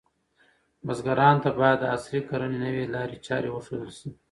بزګرانو ته باید د عصري کرنې نوې لارې چارې وښودل شي.